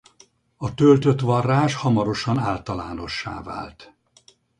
A töltött varrás hamarosan általánossá vált.